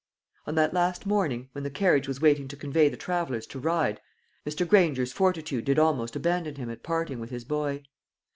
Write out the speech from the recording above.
On that last morning, when the carriage was waiting to convey the travellers to Ryde, Mr. Granger's fortitude did almost abandon him at parting with his boy.